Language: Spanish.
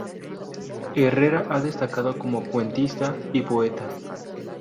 Herrera ha destacado como cuentista y poeta.